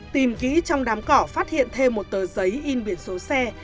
tìm kỹ trong đám cỏ phát hiện thêm một tờ giấy in biển số xe